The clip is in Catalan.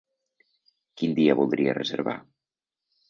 Quin dia voldria reservar?